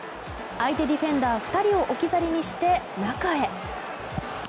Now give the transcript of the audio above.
相手ディフェンダー２人を置き去りにして、中へ。